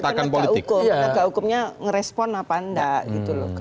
tergantung kandang ke hukum kandang ke hukumnya ngerespon apa enggak gitu loh